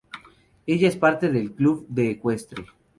Ella es parte del club de ecuestre.